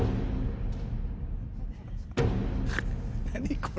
何これ。